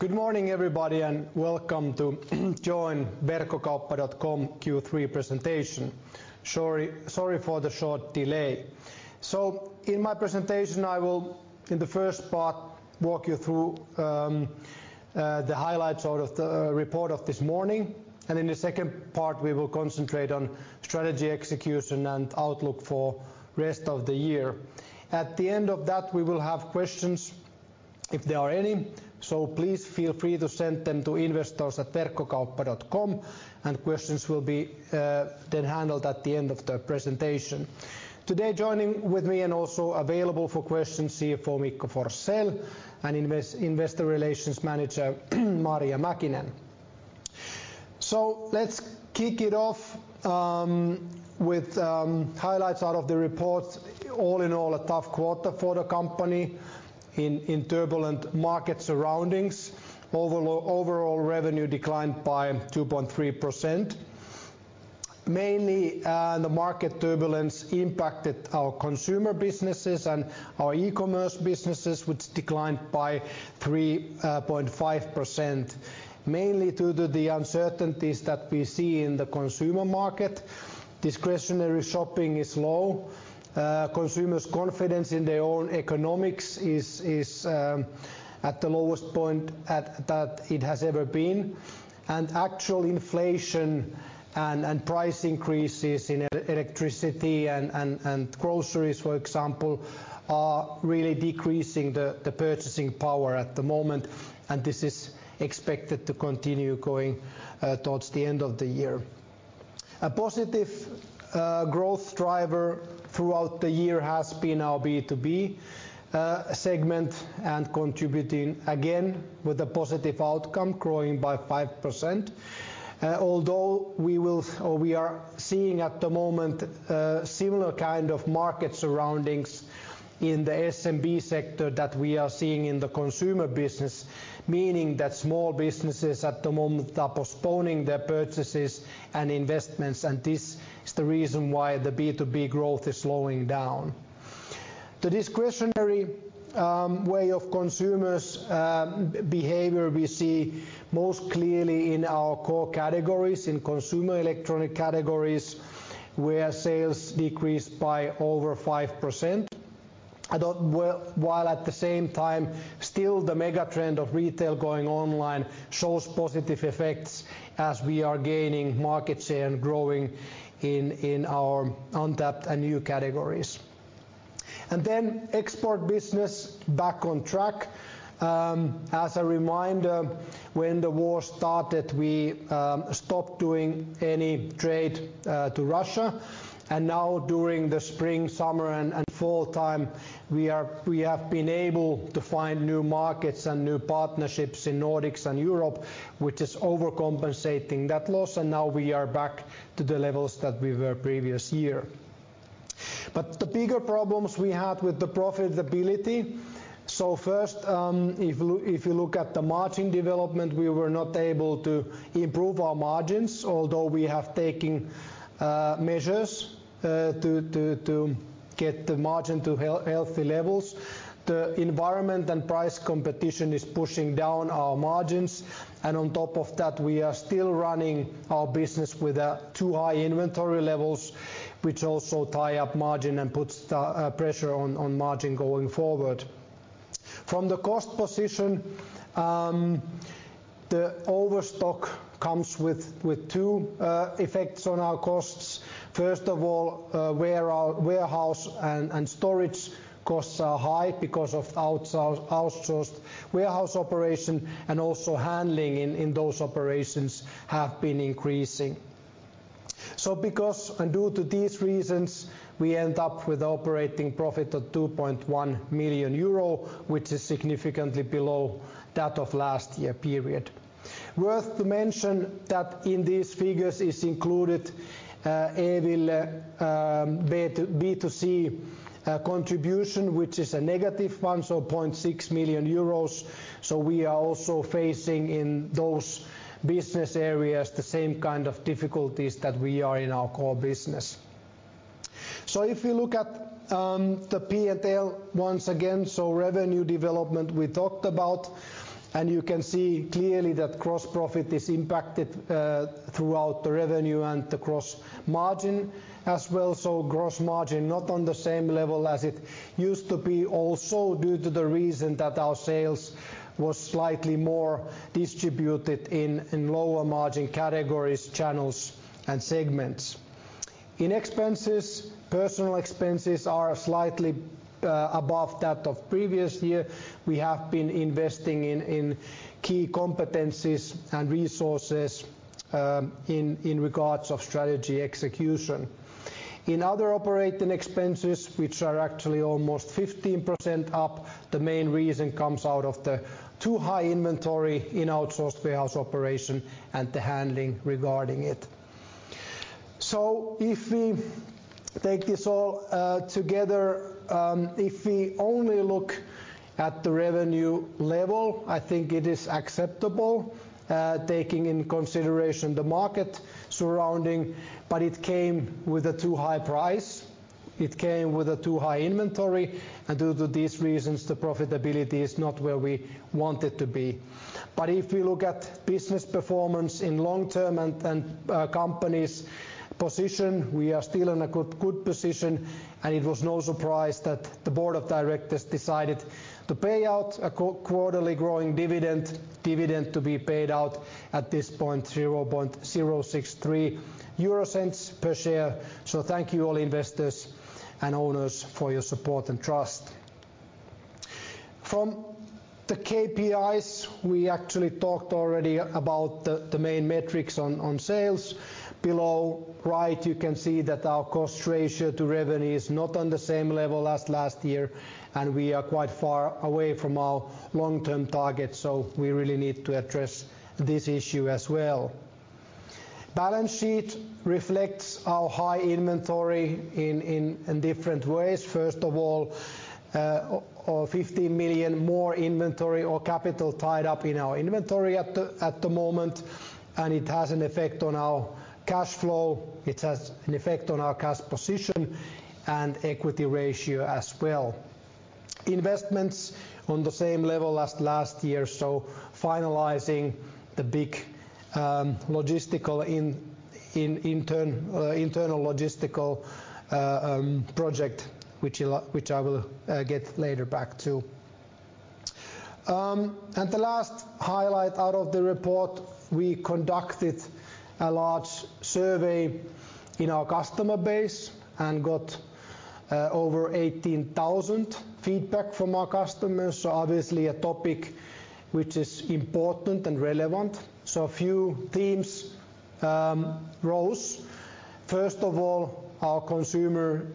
Good morning, everybody, and welcome to join Verkkokauppa.com Q3 presentation. Sorry for the short delay. In my presentation, I will, in the first part, walk you through the highlights out of the report of this morning. In the second part, we will concentrate on strategy, execution, and outlook for rest of the year. At the end of that, we will have questions, if there are any, so please feel free to send them to investors at Verkkokauppa.com, and questions will be then handled at the end of the presentation. Today, joining with me and also available for questions, CFO Mikko Forsell and Investor Relations Manager Marja Mäkinen. Let's kick it off with highlights out of the report. All in all, a tough quarter for the company in turbulent market surroundings. Overall revenue declined by 2.3%. Mainly, the market turbulence impacted our consumer businesses and our e-commerce businesses, which declined by 3.5%, mainly due to the uncertainties that we see in the consumer market. Discretionary shopping is low. Consumers' confidence in their own economics is at the lowest point that it has ever been. Actual inflation and price increases in electricity and groceries, for example, are really decreasing the purchasing power at the moment, and this is expected to continue going towards the end of the year. A positive growth driver throughout the year has been our B2B segment and contributing again with a positive outcome, growing by 5%. Although we are seeing at the moment similar kind of market surroundings in the SMB sector that we are seeing in the consumer business, meaning that small businesses at the moment are postponing their purchases and investments, and this is the reason why the B2B growth is slowing down. The discretionary way of consumer behavior we see most clearly in our core categories, in consumer electronics categories, where sales decreased by over 5%. While at the same time, still the mega trend of retail going online shows positive effects as we are gaining market share and growing in our untapped and new categories. Export business back on track. As a reminder, when the war started, we stopped doing any trade to Russia. Now during the spring, summer, and fall time, we have been able to find new markets and new partnerships in Nordics and Europe, which is overcompensating that loss, and now we are back to the levels that we were previous year. The bigger problems we had with the profitability, so first, if you look at the margin development, we were not able to improve our margins, although we have taking measures to get the margin to healthy levels. The environment and price competition is pushing down our margins, and on top of that, we are still running our business with too high inventory levels, which also tie up margin and puts pressure on margin going forward. From the cost position, the overstock comes with two effects on our costs. First of all, where our warehouse and storage costs are high because of outsourced warehouse operation and also handling in those operations have been increasing. Because and due to these reasons, we end up with operating profit of 2.1 million euro, which is significantly below that of last year period. Worth mentioning that in these figures is included e-ville.com B2C contribution, which is a negative 1.6 million euros. We are also facing in those business areas the same kind of difficulties that we are in our core business. If you look at the P&L once again, revenue development we talked about, and you can see clearly that gross profit is impacted throughout the revenue and the gross margin as well, so gross margin not on the same level as it used to be, also due to the reason that our sales was slightly more distributed in lower margin categories, channels and segments. In expenses, personnel expenses are slightly above that of previous year. We have been investing in key competencies and resources in regards of strategy execution. In other operating expenses, which are actually almost 15% up, the main reason comes out of the too high inventory in outsourced warehouse operation and the handling regarding it. If we take this all together, if we only look at the revenue level, I think it is acceptable, taking into consideration the surrounding market, but it came with a too high price. It came with a too high inventory, and due to these reasons, the profitability is not where we want it to be. If you look at business performance in long term and then, company's position, we are still in a good position, and it was no surprise that the board of directors decided to pay out a quarterly growing dividend to be paid out at this point, 0.063 euro cents per share. Thank you all investors and owners for your support and trust. From the KPIs, we actually talked already about the main metrics on sales. Below right, you can see that our cost ratio to revenue is not on the same level as last year, and we are quite far away from our long-term target, so we really need to address this issue as well. Balance sheet reflects our high inventory in different ways. First of all, 50 million more inventory or capital tied up in our inventory at the moment, and it has an effect on our cash flow. It has an effect on our cash position and equity ratio as well. Investments on the same level as last year, so finalizing the big internal logistical project which I will get later back to. The last highlight out of the report, we conducted a large survey in our customer base and got over 18,000 feedback from our customers, so obviously a topic which is important and relevant. A few themes rose. First of all, our consumer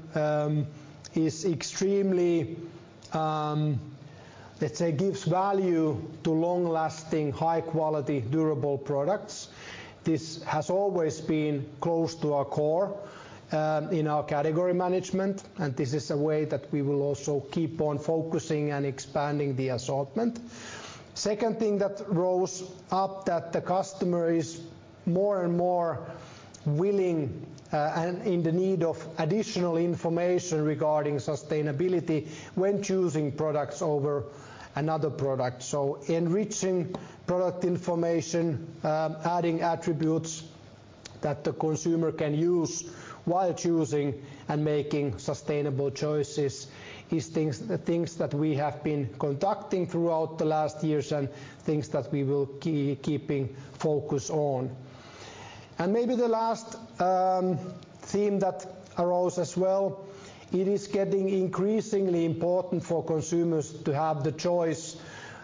is extremely, let's say, gives value to long-lasting, high-quality, durable products. This has always been close to our core in our category management, and this is a way that we will also keep on focusing and expanding the assortment. Second thing that rose up that the customer is more and more willing and in the need of additional information regarding sustainability when choosing products over another product. Enriching product information, adding attributes that the consumer can use while choosing and making sustainable choices is things that we have been conducting throughout the last years and things that we will keeping focus on. Maybe the last theme that arose as well, it is getting increasingly important for consumers to have the choice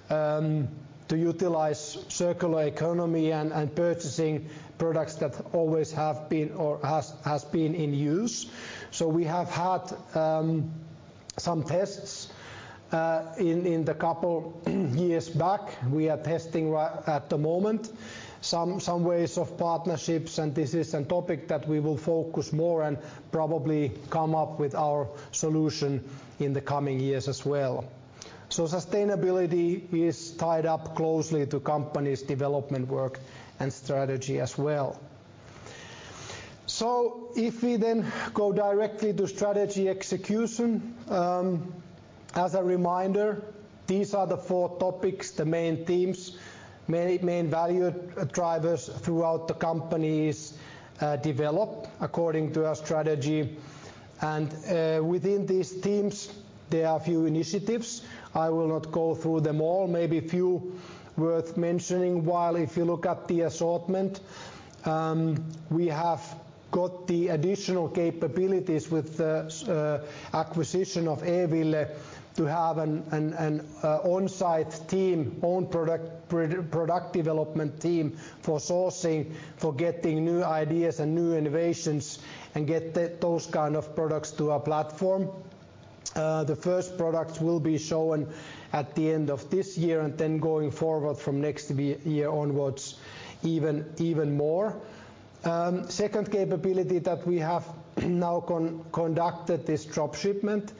to utilize circular economy and purchasing products that always have been or has been in use. We have had some tests in the couple years back. We are testing right at the moment some ways of partnerships, and this is a topic that we will focus more and probably come up with our solution in the coming years as well. Sustainability is tied up closely to company's development work and strategy as well. If we then go directly to strategy execution, as a reminder, these are the four topics, the main themes, main value drivers throughout the company's development according to our strategy, and within these themes, there are a few initiatives. I will not go through them all. Maybe a few worth mentioning. Well, if you look at the assortment, we have got the additional capabilities with the acquisition of e-ville.com to have an on-site team, own product development team for sourcing, for getting new ideas and new innovations, and get those kind of products to our platform. The first products will be shown at the end of this year and then going forward from next year onwards even more. Second capability that we have now conducted is drop shipment.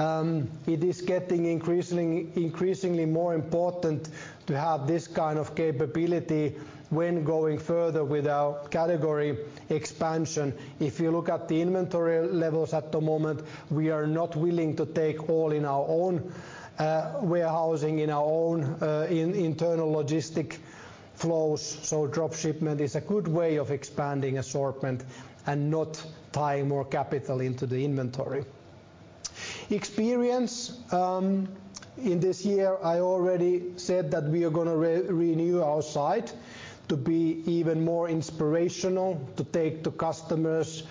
It is getting increasingly more important to have this kind of capability when going further with our category expansion. If you look at the inventory levels at the moment, we are not willing to take all in our own warehousing, in our own internal logistic flows, so drop shipment is a good way of expanding assortment and not tying more capital into the inventory. Experience in this year, I already said that we are gonna renew our site to be even more inspirational, to take the customers'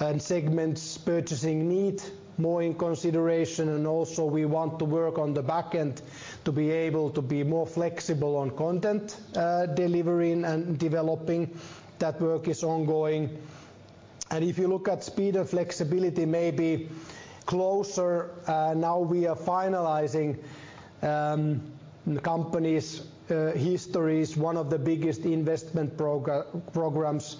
and segments' purchasing need more in consideration, and also we want to work on the back end to be able to be more flexible on content delivering and developing. That work is ongoing. If you look at speed and flexibility maybe closer, now we are finalizing the company's history's one of the biggest investment programs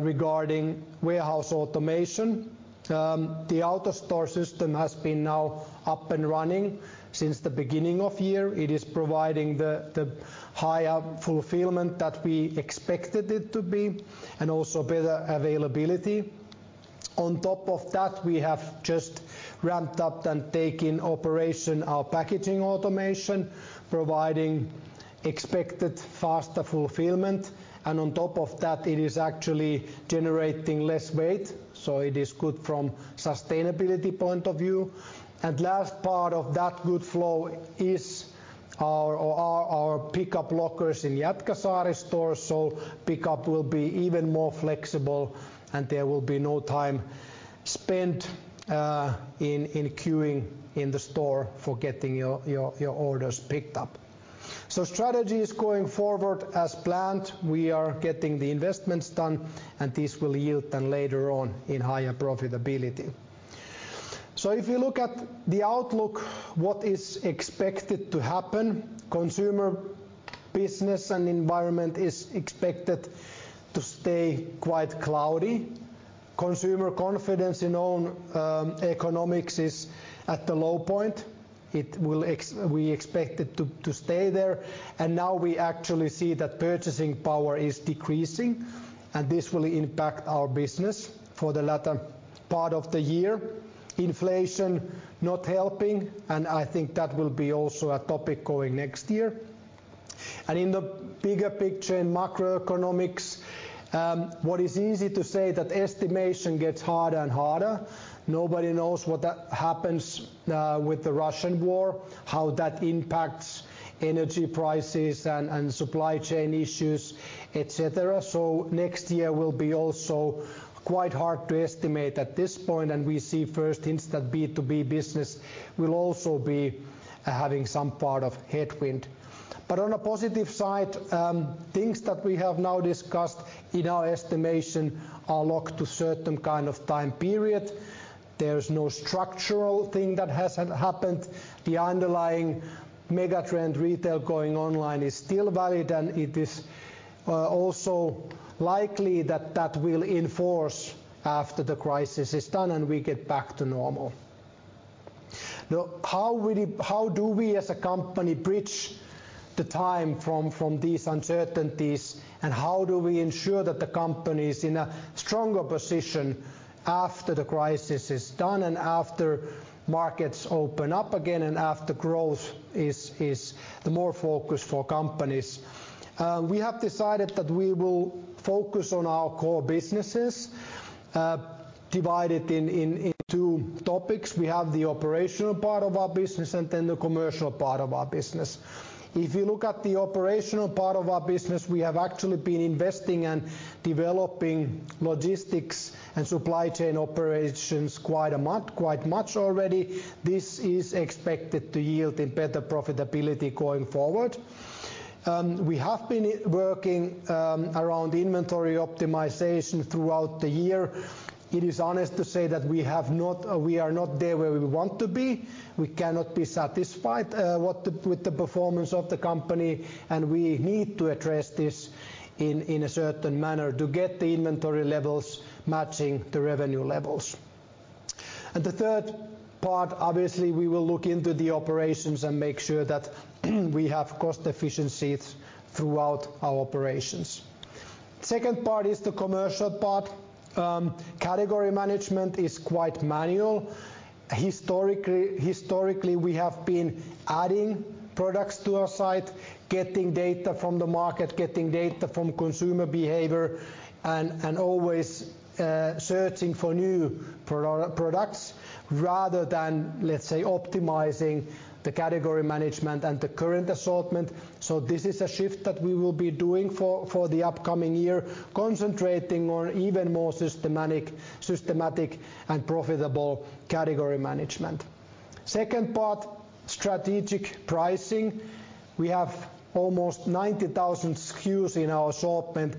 regarding warehouse automation. The AutoStore system has been now up and running since the beginning of year. It is providing higher fulfillment that we expected it to be and also better availability. On top of that, we have just ramped up and taken operation our packaging automation, providing expected faster fulfillment. On top of that, it is actually generating less waste, so it is good from sustainability point of view. Last part of that good flow is our pickup lockers in Jätkäsaari store, so pickup will be even more flexible and there will be no time spent in queuing in the store for getting your orders picked up. Strategy is going forward as planned. We are getting the investments done, and this will yield then later on in higher profitability. If you look at the outlook, what is expected to happen, consumer business and environment is expected to stay quite cloudy. Consumer confidence in own economics is at a low point. We expect it to stay there. Now we actually see that purchasing power is decreasing, and this will impact our business for the latter part of the year. Inflation not helping, and I think that will be also a topic going next year. In the bigger picture, in macroeconomics, what is easy to say that estimation gets harder and harder. Nobody knows what happens with the Russian war, how that impacts energy prices and supply chain issues, et cetera. Next year will be also quite hard to estimate at this point, and we see first hints that B2B business will also be having some part of headwind. On a positive side, things that we have now discussed in our estimation are locked to certain kind of time period. There's no structural thing that has happened. The underlying megatrend retail going online is still valid and it is also likely that that will enforce after the crisis is done and we get back to normal. Now, how do we, as a company, bridge the time from these uncertainties, and how do we ensure that the company's in a stronger position after the crisis is done and after markets open up again and after growth is the more focus for companies? We have decided that we will focus on our core businesses, divided in two topics. We have the operational part of our business and then the commercial part of our business. If you look at the operational part of our business, we have actually been investing and developing logistics and supply chain operations quite much already. This is expected to yield in better profitability going forward. We have been working around inventory optimization throughout the year. It is honest to say that we have not, we are not there where we want to be. We cannot be satisfied, with the performance of the company and we need to address this in a certain manner to get the inventory levels matching the revenue levels. The third part, obviously, we will look into the operations and make sure that we have cost efficiencies throughout our operations. Second part is the commercial part. Category management is quite manual. Historically, we have been adding products to our site, getting data from the market, getting data from consumer behavior, and always searching for new products rather than, let's say, optimizing the category management and the current assortment. This is a shift that we will be doing for the upcoming year, concentrating on even more systematic and profitable category management. Second part, strategic pricing. We have almost 90,000 SKUs in our assortment,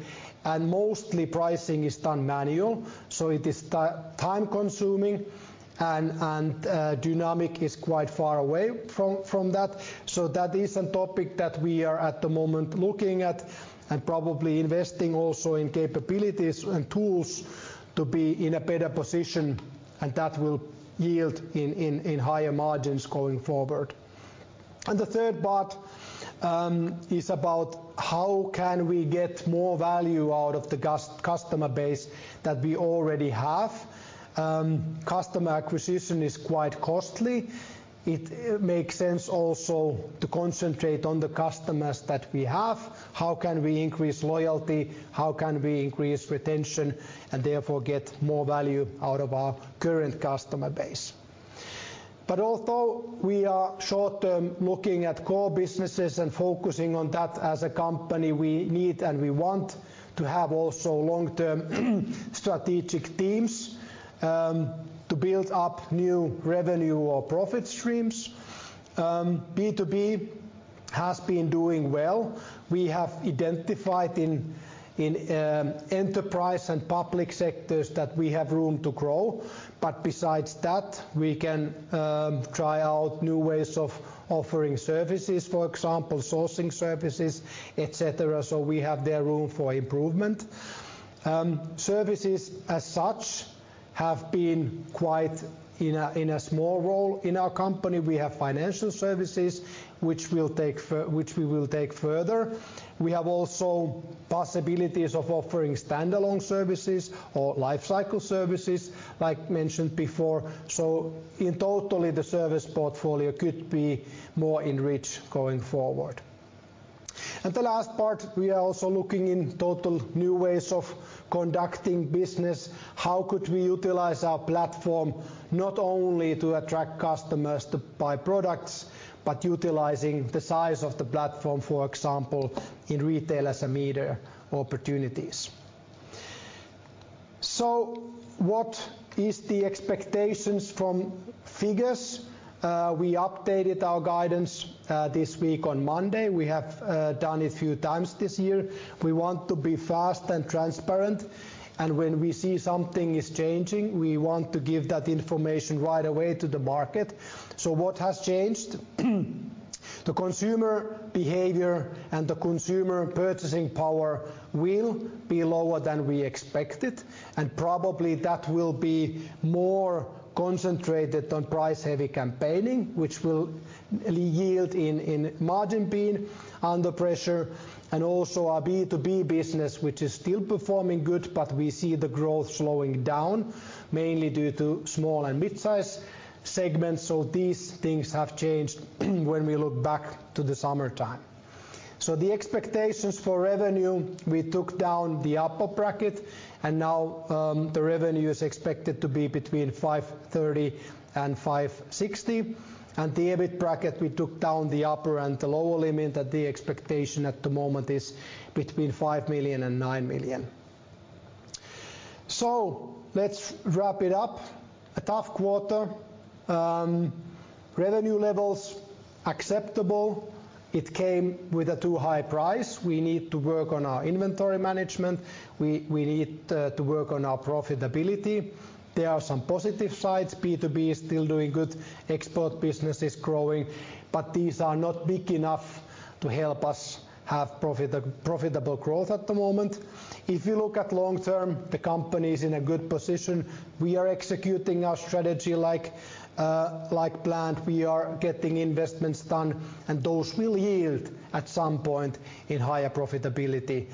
and mostly pricing is done manual. It is time-consuming and dynamic is quite far away from that. That is a topic that we are at the moment looking at and probably investing also in capabilities and tools to be in a better position, and that will yield in higher margins going forward. The third part is about how can we get more value out of the customer base that we already have. Customer acquisition is quite costly. It makes sense also to concentrate on the customers that we have. How can we increase loyalty? How can we increase retention, and therefore get more value out of our current customer base? Although we are short-term looking at core businesses and focusing on that as a company, we need and we want to have also long-term strategic themes to build up new revenue or profit streams. B2B has been doing well. We have identified in enterprise and public sectors that we have room to grow, but besides that, we can try out new ways of offering services, for example, sourcing services, et cetera. We have room for improvement there. Services as such have been quite in a small role in our company. We have financial services which we will take further. We have also possibilities of offering standalone services or lifecycle services as mentioned before. In total, the service portfolio could be more enriched going forward. The last part, we are also looking into new ways of conducting business. How could we utilize our platform not only to attract customers to buy products, but utilizing the size of the platform, for example, in retail media opportunities? What is the expectations from figures? We updated our guidance this week on Monday. We have done a few times this year. We want to be fast and transparent, and when we see something is changing, we want to give that information right away to the market. What has changed? The consumer behavior and the consumer purchasing power will be lower than we expected, and probably that will be more concentrated on price-heavy campaigning, which will result in margin being under pressure and also our B2B business, which is still performing good, but we see the growth slowing down, mainly due to small and midsize segments. These things have changed when we look back to the summertime. The expectations for revenue, we took down the upper bracket and now the revenue is expected to be between 530 and 560. The EBIT bracket, we took down the upper and the lower limit that the expectation at the moment is between 5 million and 9 million. Let's wrap it up. A tough quarter. Revenue levels acceptable. It came with a too high price. We need to work on our inventory management. We need to work on our profitability. There are some positive sides. B2B is still doing good, export business is growing, but these are not big enough to help us have profitable growth at the moment. If you look at long term, the company is in a good position. We are executing our strategy like planned. We are getting investments done, and those will yield at some point in higher profitability.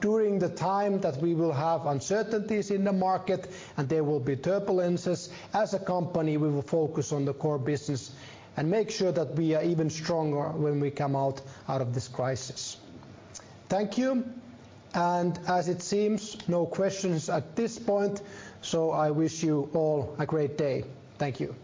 During the time that we will have uncertainties in the market and there will be turbulences, as a company, we will focus on the core business and make sure that we are even stronger when we come out of this crisis. Thank you. As it seems, no questions at this point, so I wish you all a great day. Thank you.